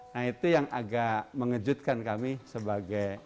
nah itu yang agak mengejutkan kami sebagai